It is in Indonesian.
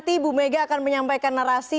nanti ibu mega akan menyampaikan narasi